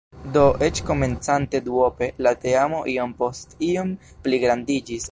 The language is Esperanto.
Do, eĉ komencante duope, la teamo iom post iom pligrandiĝis.